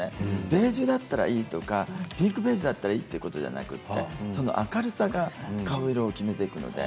ベージュだったらいいとか、ピンクベージュだったらいいということではなくてその明るさが顔色を決めていくのね。